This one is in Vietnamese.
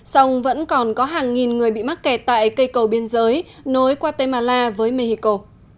song vẫn còn có hàng nghìn người bị mắc kẹt tại cây cầu biên giới nối guatemala với mexico